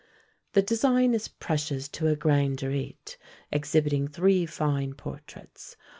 The design is precious to a Grangerite, exhibiting three fine portraits.